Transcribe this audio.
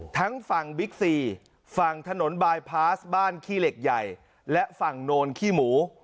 ทั้งฝั่งบิ๊กซีฝั่งถนนบายพาสบ้านขี้เหล็กใหญ่และฝั่งโนนขี้หมู